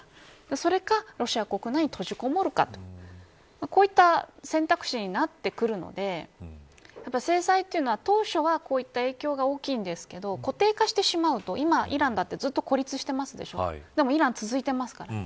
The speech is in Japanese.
それかロシア国内に閉じこもるかとこういった選択肢になってくるので制裁というのは当初はこういった影響が大きいんですけど固定化してしまうと今、イランだってずっと孤立してますでしょう。